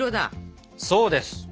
そうです。